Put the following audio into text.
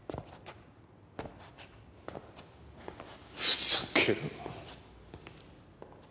ふざけろ。